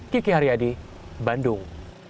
kiki haryadi bandung